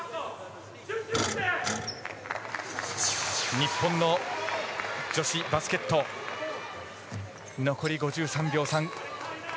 日本の女子バスケット残り５３秒３秒。